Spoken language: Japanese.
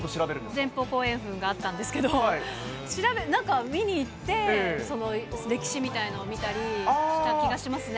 前方後円墳があったんですけど、調べ、なんか見に行って、歴史みたいのを見たりした気がしますね。